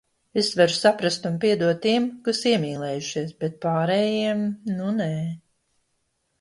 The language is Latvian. Es varu saprast un piedot tiem, kas iemīlējušies, bet pārējiem- nu, nē.